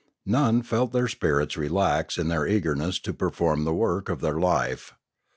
None felt their spirits relax in their eagerness to perform the work of their life.